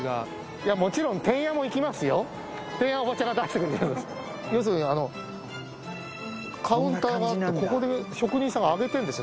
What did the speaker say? いやもちろんてんやはおばちゃんが出してくれる要するにあのカウンターがあってここで職人さんが揚げてんですよ